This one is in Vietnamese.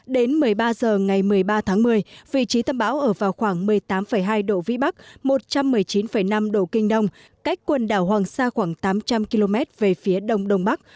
đến một mươi ba h ngày một mươi ba tháng một mươi vị trí tâm bão ở vào khoảng một mươi tám hai độ vĩ bắc một trăm một mươi chín năm độ kinh đông cách quần đảo hoàng sa khoảng tám trăm linh km về phía đông đông bắc